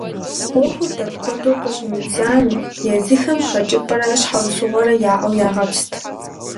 Ӏуэхур дапхуэдэу къыщӏимыдзами, езыхэм хэкӏыпӏэрэ щхьэусыгъуэрэ яӏэу ягъэпст.